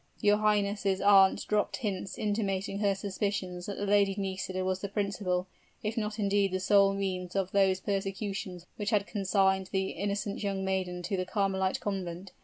Your highness' aunt dropped hints intimating her suspicion that the Lady Nisida was the principal, if not indeed the sole means of those persecutions which had consigned the innocent young maiden to the Carmelite Convent.